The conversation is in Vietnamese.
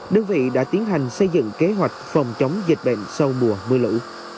đơn vị đã tiến hành xây dựng kế hoạch phòng chống dịch bệnh sau mùa mưa lũ